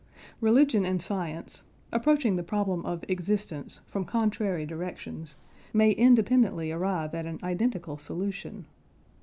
Religion and science, approaching the problem of existence from contrary directions, may independently arrive at an identical solution.